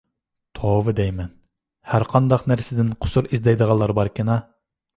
توۋا دەيمەن، ھەر قانداق نەرسىدىن قۇسۇر ئىزدەيدىغانلار باركىنا.